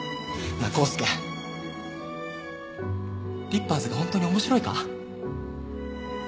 リッパーズが本当に面白いか？